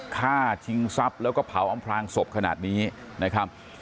ฆ่าชิงทรัพย์แล้วก็เผาอำพลางศพขนาดนี้นะครับ